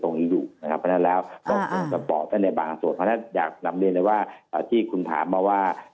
ถึงเถอะที่คุณถามมาว่า